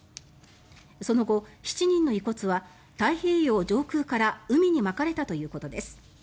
その後、７人の遺骨は太平洋上空から海にまかれたということです。